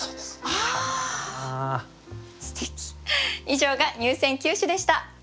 以上が入選九首でした。